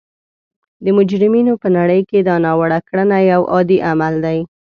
د مجرمینو په نړۍ کې دا ناوړه کړنه یو عادي عمل دی